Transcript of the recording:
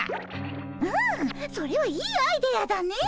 うんそれはいいアイデアだねえ。